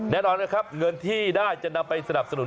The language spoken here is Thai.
แน่นอนนะครับเงินที่ได้จะนำไปสนับสนุน